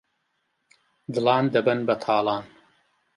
دڵان دەبەن بەتاڵان